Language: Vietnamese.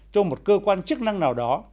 trong một cơ quan chức năng nào đó